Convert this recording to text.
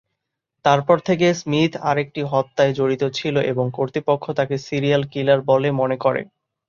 তারপর থেকে, স্মিথ আরেকটি হত্যায় জড়িত ছিল, এবং কর্তৃপক্ষ তাকে সিরিয়াল কিলার বলে মনে করে।